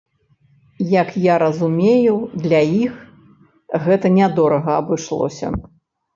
Як я разумею, для іх гэта нядорага абышлося.